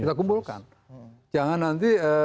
kita kumpulkan jangan nanti